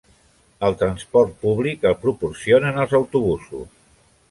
El transport públic el proporcionen els autobusos.